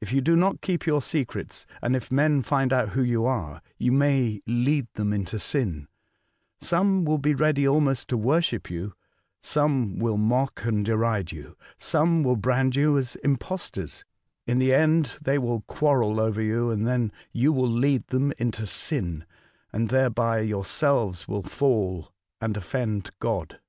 If you do not keep your secrets, and if men find out who you are, you may lead them into sin ; some will be ready almost to worship you; some will mock and deride you ; some will brand you as imposters ; in the end they will quarrel over you, and then you will lead them into sin, and thereby your selves will fall and ofiend God."